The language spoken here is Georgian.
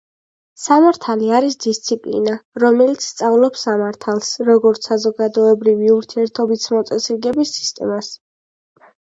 სამართალი არის დისციპლინა, რომელიც სწავლობს სამართალს, როგორც საზოგადოებრივი ურთიერთობის მოწესრიგების სისტემას .